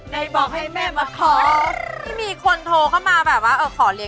โดยเอะไหนบอกให้แม่มาขอ